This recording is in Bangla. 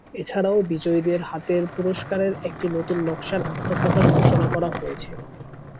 এছাড়াও বিজয়ীদের হাতের পুরস্কারের একটি নতুন নকশার আত্মপ্রকাশ ঘোষণা করা হয়েছে।